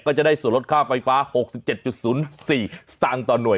ก็จะได้ส่วนลดค่าไฟฟ้า๖๗๐๔สตางค์ต่อหน่วย